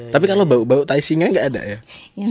tapi kan lo bau bau tai singa gak ada ya